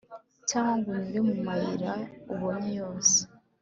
cyangwa ngo unyure mu mayira ubonye yose